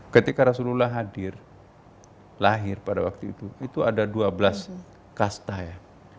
ketika rasulullah hadir lahir pada waktu itu itu ada dua belas kasta ya